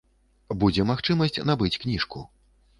Будзе магчымасць набыць кніжку.